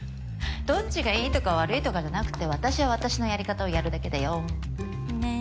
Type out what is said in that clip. どっちがいいとか悪いとかじゃなくて私は私のやり方をやるだけだよん。ねぇ。